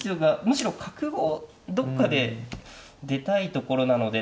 むしろ角をどっかで出たいところなので。